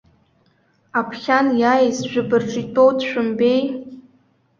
Аԥхьан иааиз, жәаба рҿы итәоу, дшәымбеи?